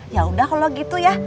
yaudah kalau gitu ya